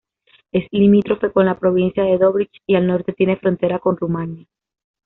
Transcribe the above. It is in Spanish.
Es limítrofe con la provincia de Dobrich y al norte tiene frontera con Rumania.